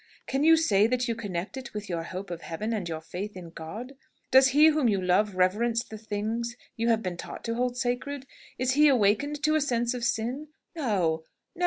Can you say that you connect it with your hope of Heaven and your faith in God? Does he whom you love reverence the things you have been taught to hold sacred? Is he awakened to a sense of sin? No! no!